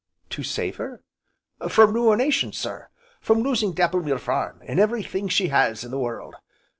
"To save her?" "From ruination, sir! From losing Dapplemere Farm, an' every thing she has in the world.